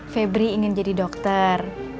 febri ingin jadi dokter